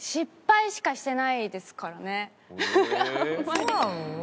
そうなの？